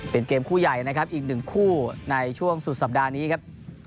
เป็นเกมคู่ใหญ่นะครับอีกหนึ่งคู่ในช่วงสุดสัปดาห์นี้ครับ